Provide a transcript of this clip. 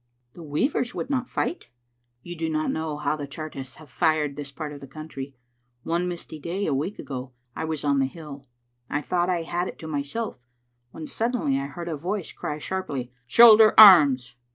"The weavers would not fight?" " You do not know how the Chartists have fired this part of the country. One misty day, a week ago, I was on the hill ; I thought I had it to myself, when suddenly I heard a voice cry sharply, 'Shoulder arms.'